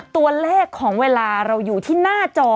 ตัวเลขของเวลาเราอยู่ที่หน้าจอ